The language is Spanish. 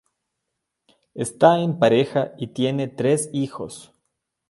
Está en pareja y tiene tres hijos.